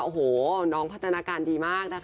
โอ้โหน้องพัฒนาการดีมากนะคะ